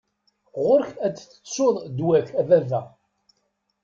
Ɣur-k ad tettuḍ ddwa-k, a baba.